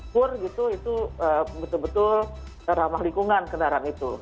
kur gitu itu betul betul ramah lingkungan kendaraan itu